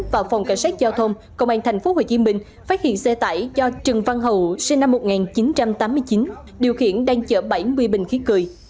và phòng cảnh sát giao thông công an tp hcm phát hiện xe tải do trần văn hậu sinh năm một nghìn chín trăm tám mươi chín điều khiển đang chở bảy mươi bình khí cười